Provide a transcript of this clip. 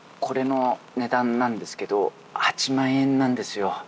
これの値段なんですけど８万円なんですよ。